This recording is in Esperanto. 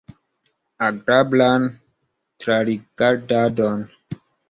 Agrablan trarigardadon!